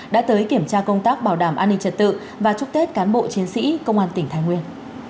đã tới kiểm tra công tác bảo đảm an ninh trật tự và chúc tết cán bộ chiến sĩ công an tỉnh thái nguyên